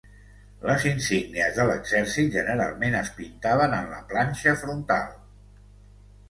Les insígnies de l'exèrcit generalment es pintaven en la planxa frontal.